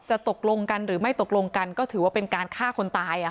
ตกลงกันหรือไม่ตกลงกันก็ถือว่าเป็นการฆ่าคนตาย